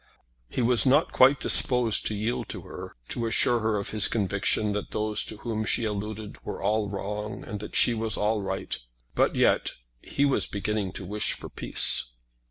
He was not quite disposed to yield to her, to assure her of his conviction that those to whom she alluded were all wrong, and that she was all right; but yet he was beginning to wish for peace.